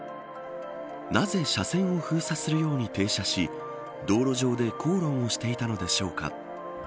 なぜ、車線を封鎖するように停車し道路上で口論をしていたのでしょうか。